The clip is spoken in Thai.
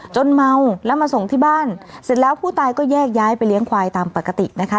เมาแล้วมาส่งที่บ้านเสร็จแล้วผู้ตายก็แยกย้ายไปเลี้ยงควายตามปกตินะคะ